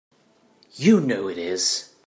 You know it is!